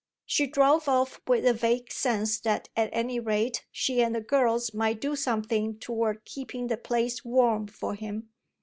She drove off with a vague sense that at any rate she and the girls might do something toward keeping the place warm for him.